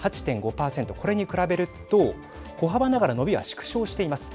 これに比べると、小幅ながら伸びは縮小しています。